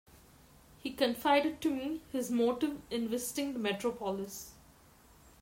He confided to me his motive in visiting the metropolis.